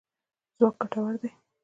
ځواک ګټور دی.